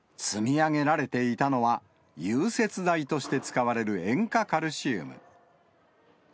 積み上げられていたのは、融雪剤として使われる塩化カルシウム。